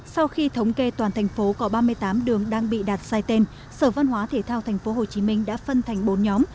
sau khi thống kê toàn thành phố có ba mươi tám đường đang bị đặt sai tên sở văn hóa thể thao tp hcm đã phân thành bốn nhóm